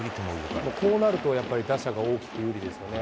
こうなると、やっぱり、打者が大きく有利ですよね。